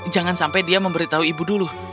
jangan sampai dia memberitahu ibu dulu